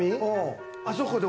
あそこで